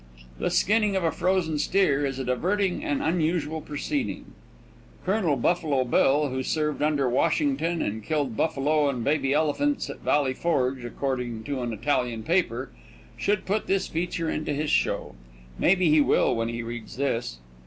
The skinning of a frozen steer is a diverting and unusual proceeding. Col. Buffalo Bill, who served under Washington and killed buffalo and baby elephants at Valley Forge, according to an Italian paper, should put this feature into his show. Maybe he will when he reads this.